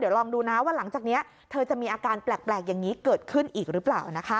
ลองดูนะว่าหลังจากนี้เธอจะมีอาการแปลกอย่างนี้เกิดขึ้นอีกหรือเปล่านะคะ